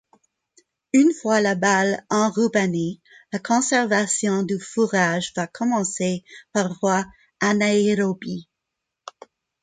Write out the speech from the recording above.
Une fois la balle enrubannée, la conservation du fourrage va commencer par voie anaérobie.